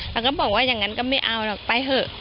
แล้วก็บอกว่าอย่างนั้นก็ไม่เอาหรอกไปเถอะ